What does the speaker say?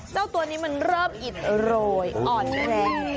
เจ้าตัวนี้มันเริ่มอิดโรยอ่อนแรง